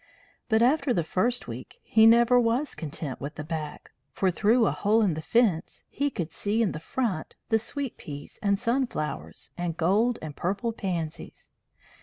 But after the first week he never was content with the back, for through a hole in the fence he could see in the front the sweet peas and sunflowers and gold and purple pansies.